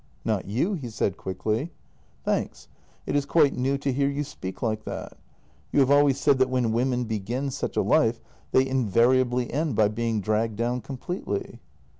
" Not you," he said quickly. " Thanks. It is quite new to hear you speak like that. You have always said that when women begin such a life they in variably end by being dragged down completely."